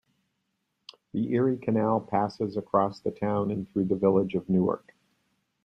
The Erie Canal passes across the town and through the Village of Newark.